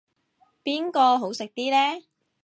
邊個好食啲呢